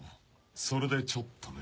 それでちょっとね。